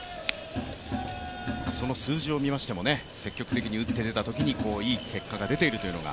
その数字を見ましても、積極的に打って出たときにいい結果が出ているというのが。